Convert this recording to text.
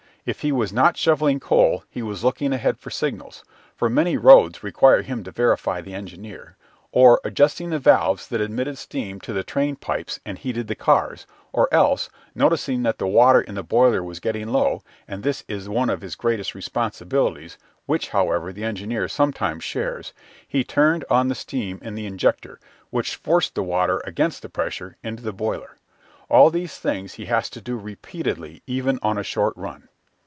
If he was not shovelling coal he was looking ahead for signals (for many roads require him to verify the engineer), or adjusting the valves that admitted steam to the train pipes and heated the cars, or else, noticing that the water in the boiler was getting low and this is one of his greatest responsibilities, which, however, the engineer sometimes shares he turned on the steam in the injector, which forced the water against the pressure into the boiler. All these things he has to do repeatedly even on a short run.